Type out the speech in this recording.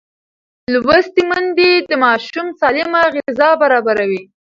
لوستې میندې د ماشوم سالمه غذا برابروي.